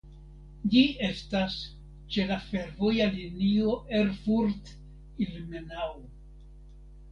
Ĝi estas ĉe la fervoja linio Erfurt–Ilmenau.